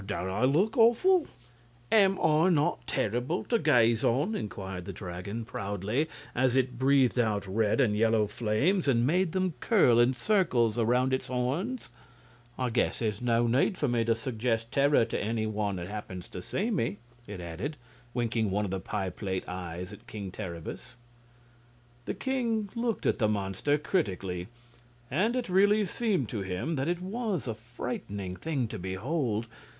"Don't I look awful? Am I not terrible to gaze on?" inquired the Dragon, proudly, as it breathed out red and yellow flames and made them curl in circles around its horns. "I guess there's no need for me to suggest terror to any one that happens to see me," it added, winking one of the pie plate eyes at King Terribus. The king looked at the monster critically, and it really seemed to him that it was a frightful thing to behold.